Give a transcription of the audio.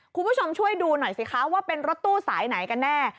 คุณผู้ชมช่วยดูหน่อยสิคะว่าเป็นรถตู้สายไหนกันแน่